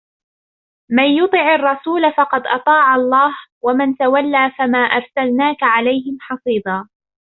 من يطع الرسول فقد أطاع الله ومن تولى فما أرسلناك عليهم حفيظا